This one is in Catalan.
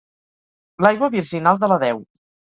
L'aigua virginal de la deu.